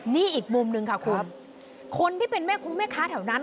นี่อีกมุมหนึ่งค่ะคุณคนที่เป็นแม่คงแม่ค้าแถวนั้น